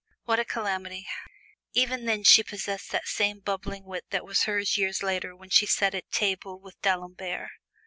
"What a calamity!" Even then she possessed that same bubbling wit that was hers years later when she sat at table with D'Alembert.